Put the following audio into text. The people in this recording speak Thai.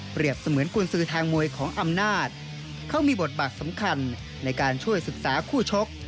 เสมือนกุญสือทางมวยของอำนาจเขามีบทบาทสำคัญในการช่วยศึกษาคู่ชก